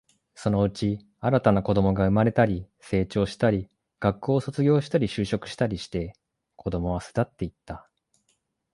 そのうち、新たな子供が生まれたり、成長したり、学校を卒業したり、就職したりして、子供は巣立っていった